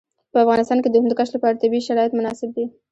په افغانستان کې د هندوکش لپاره طبیعي شرایط مناسب دي.